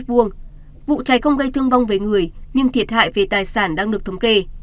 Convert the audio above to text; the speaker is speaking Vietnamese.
vụ trái không gây thương vong với người nhưng thiệt hại về tài sản đang được thống kê